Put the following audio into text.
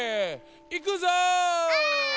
いくぞ！